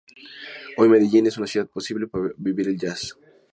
Hoy Medellín es una ciudad posible para vivir el jazz.